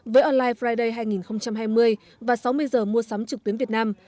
với online friday hai nghìn hai mươi và sáu mươi giờ mua sắm trực tuyến việt nam